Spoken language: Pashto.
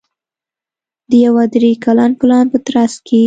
د یوه درې کلن پلان په ترڅ کې